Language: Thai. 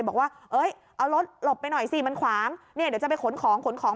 บอกว่าเอ้ยเอารถหลบไปหน่อยสิมันขวางเนี่ยเดี๋ยวจะไปขนของขนของ